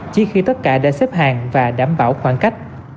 chỉ khi tất cả đã xếp hàng và đảm bảo khoảng cách